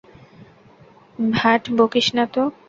ভাট বকিস না তো।